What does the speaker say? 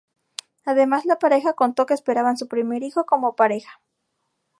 Además la pareja contó que esperaban su primer hijo como pareja.